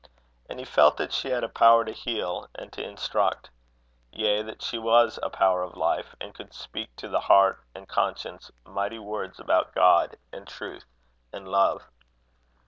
And he felt that she had a power to heal and to instruct; yea, that she was a power of life, and could speak to the heart and conscience mighty words about God and Truth and Love.